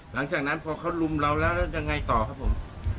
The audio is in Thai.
หลังจากนั้นพอเขาลุมเราแล้วแล้วยังไงต่อครับผม